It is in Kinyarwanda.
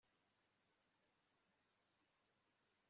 umuntu mu kwirundumurira mu irari